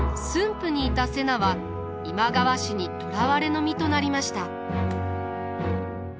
府にいた瀬名は今川氏に捕らわれの身となりました。